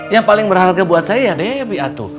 yang paling berharga buat saya debbie atur